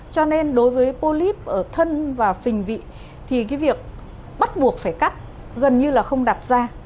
cho nên đối với polyp ở thân và phình vị thì cái việc bắt buộc phải cắt gần như là không đặt ra